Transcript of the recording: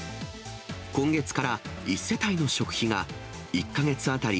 今月から１世帯の食費が１か月当たり